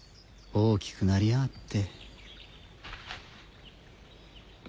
大きくなりやがって。